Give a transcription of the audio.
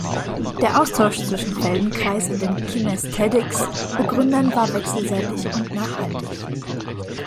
Der Austausch zwischen Feldenkrais und den Kinaesthetics-Begründern war wechselseitig und nachhaltig.